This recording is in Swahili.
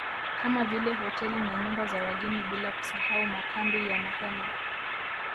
Kama vile hoteli na nyumba za wageni bila kusahau makambi ya mahema